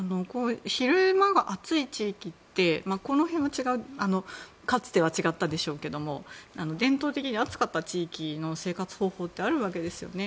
昼間が暑い地域ってこの辺はかつては違ったでしょうけど伝統的に暑かった地域の生活方法ってあるわけですね。